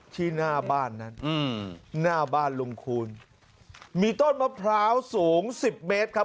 ที่หน้าบ้านนั้นอืมหน้าบ้านลุงคูณมีต้นมะพร้าวสูงสิบเมตรครับ